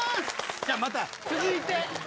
じゃあ、また、次いって。